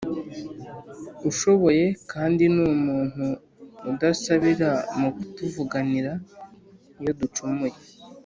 ushoboye kandi ni umuntu udusabira mu kutuvuganira iyo ducumuye